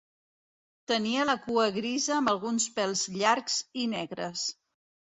Tenia la cua grisa amb alguns pèls llargs i negres.